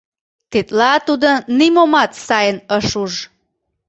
Тетла тудо нимомат сайын ыш уж.